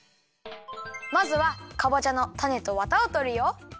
まずはかぼちゃのたねとワタをとるよ。